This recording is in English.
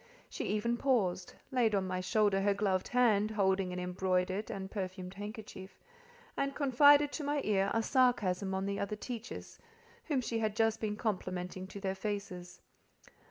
She even paused, laid on my shoulder her gloved hand, holding an embroidered and perfumed handkerchief, and confided to my ear a sarcasm on the other teachers (whom she had just been complimenting to their faces).